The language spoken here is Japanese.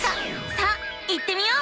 さあ行ってみよう！